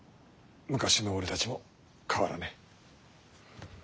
昔の俺たちも変わらねぇ。